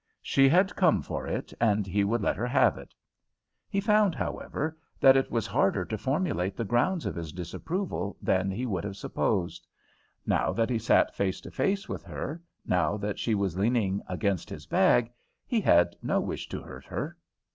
She had come for it, and he would let her have it. He found, however, that it was harder to formulate the grounds of his disapproval than he would have supposed. Now that he sat face to face with her, now that she was leaning against his bag, he had no wish to hurt her.